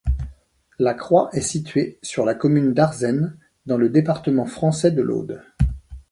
La croix est située sur la commune d'Arzens, dans le département français de l'Aude.